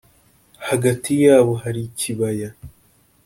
hagati yabo hari ikibaya.